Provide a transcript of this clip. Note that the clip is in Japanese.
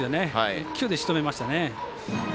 １球でしとめましたね。